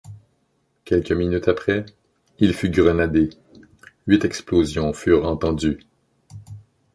Quelques minutes après, il fut grenadé, huit explosions furent entendues.